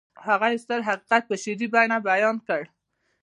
هغه يو ستر حقيقت په شعري بڼه بيان کړ.